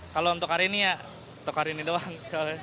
kalau untuk hari ini ya untuk hari ini doang